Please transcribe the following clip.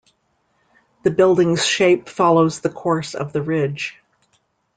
The building's shape follows the course of the ridge.